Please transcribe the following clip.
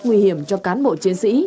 nguy hiểm cho cán bộ chiến sĩ